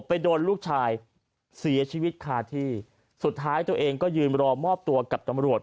ไปโดนลูกชายเสียชีวิตคาที่สุดท้ายตัวเองก็ยืนรอมอบตัวกับตำรวจ